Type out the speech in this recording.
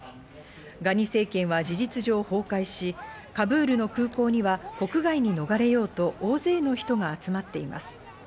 ガニ政権は事実上崩壊し、カブールの空港には国外に逃れようと大勢の人が集まっています。